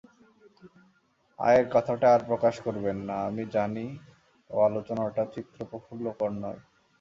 আয়ের কথাটা আর প্রকাশ করবেন না, আমি জানি ও আলোচনাটা চিত্তপ্রফুল্লকর নয়।